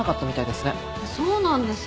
そうなんです。